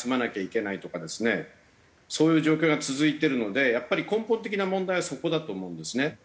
そういう状況が続いてるのでやっぱり根本的な問題はそこだと思うんですね。